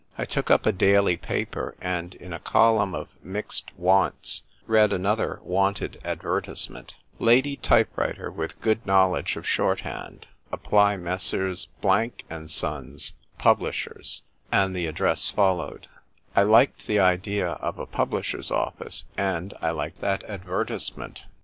I took up a daily paper and, in a column of mixed wants, read another "Wanted" advertisement: "Lady type writer, with good knowledge of shorthand. Apply, Messrs. Blank and Sons, Publishers," — and the address followed. I liked the idea of a publisher's office, and I liked that advertisement.